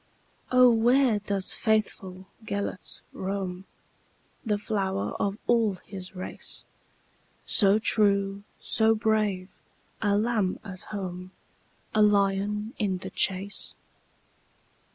"O, where doth faithful Gêlert roam, The flower of all his race, So true, so brave,—a lamb at home,A lion in the chase?"